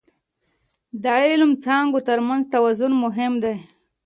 د علم څانګو ترمنځ توازن مهم دی.